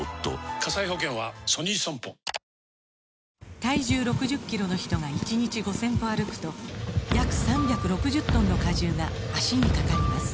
体重６０キロの人が１日５０００歩歩くと約３６０トンの荷重が脚にかかります